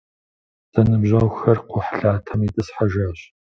Зэныбжьэгъухэр кхъухьлъатэм итӏысхьэжащ.